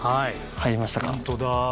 入りましたか？